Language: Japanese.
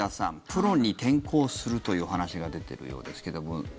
プロに転向するというお話が出ているようですけども。